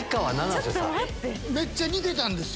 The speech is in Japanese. めっちゃ似てたんですよ。